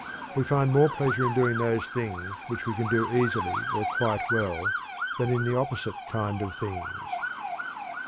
We find more pleasure in doing those things which we can do easily or quite well than in the opposite kind of things.